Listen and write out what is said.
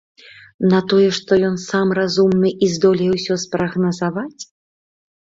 На тое, што ён самы разумны і здолее ўсё спрагназаваць?